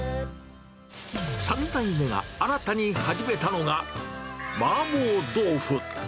３代目が新たに始めたのが、マーボー豆腐。